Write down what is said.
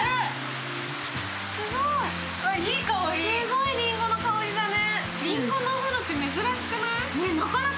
すごいりんごの香りだね。